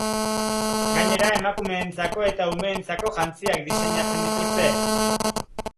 Gainera, emakumeentzako eta umeentzako jantziak diseinatzen dituzte.